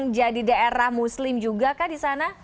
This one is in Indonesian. jadi daerah muslim juga kah di sana